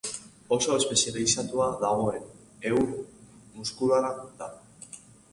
Oso espezializatuta dagoen ehun muskularra da.